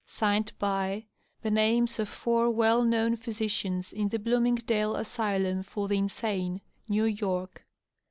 r The names of four weU Signed by known physicians in the Bloomingdale Asylum for the insane^ New York.)